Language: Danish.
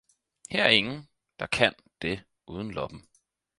Her er ingen der kan det uden loppen!